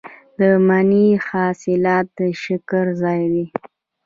د مني حاصلات د شکر ځای دی.